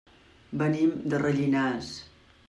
Venim de Rellinars.